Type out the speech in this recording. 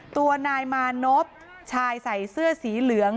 ตัวนายมานพชายใส่เสื้อสีเหลือง